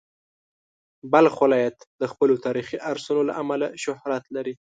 بلخ ولایت د خپلو تاریخي ارثونو له امله شهرت لري.